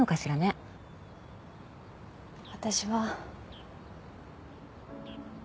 私は。